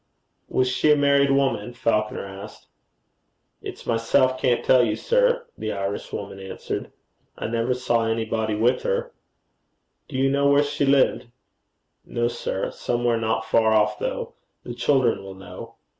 'Was she a married woman?' Falconer asked. 'It's myself can't tell you sir,' the Irishwoman answered. 'I never saw any boy with her.' 'Do you know where she lived?' 'No, sir. Somewhere not far off, though. The children will know.'